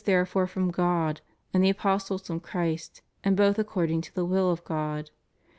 therefore from God, and the apostles from Christ, and both according to the will of God.